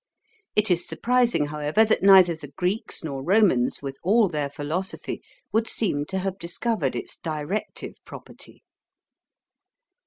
It is surprising, however, that neither the Greeks nor Romans, with all their philosophy, would seem to have discovered its directive property.